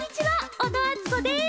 小野あつこです。